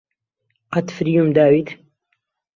قەت فریوم داویت؟